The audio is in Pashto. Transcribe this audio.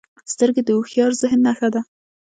سترګې د هوښیار ذهن نښه ده